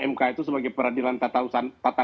mk itu sebagai peradilan tata